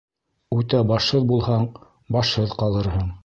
Үтә башһыҙ булһаң, башһыҙ ҡалырһың